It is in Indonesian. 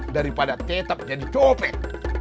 daripada tetep jadi topek